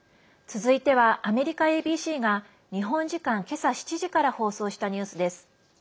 続いてはアメリカＡＢＣが日本時間けさ７時から放送したニュースです。